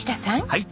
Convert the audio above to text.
はい。